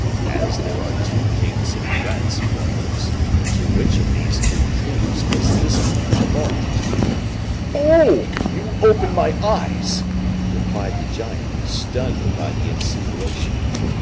"But as there are two kings in France, Porthos, to which of these two kings does this fleet belong?" "Oh! you open my eyes," replied the giant, stunned by the insinuation.